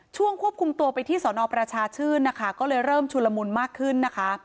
ควบคุมตัวไปที่สอนอประชาชื่นนะคะก็เลยเริ่มชุลมุนมากขึ้นนะคะ